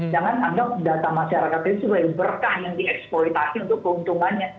jangan anggap data masyarakat itu sebagai berkah yang dieksploitasi untuk keuntungannya